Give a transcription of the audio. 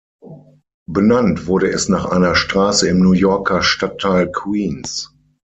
Benannt wurde es nach einer Straße im New Yorker Stadtteil Queens.